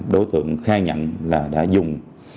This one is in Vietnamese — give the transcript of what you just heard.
đối tượng khai nhận là đã dùng